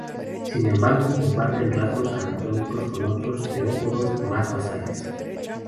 Sin embargo comparten rasgos anatómicos con otros terópodos más basales.